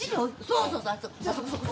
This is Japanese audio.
そうそうあそこ。